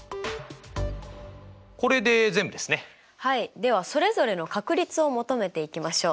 ではそれぞれの確率を求めていきましょう。